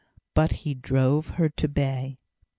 But he drove her to bay.